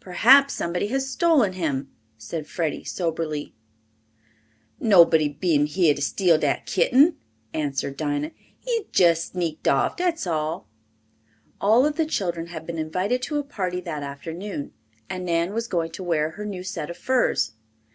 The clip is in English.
"Perhaps somebody has stolen him," said Freddie soberly. "Nobody been heah to steal dat kitten," answered Dinah. "He's jess sneaked off, dat's all." All of the children had been invited to a party that afternoon and Nan was going to wear her new set of furs.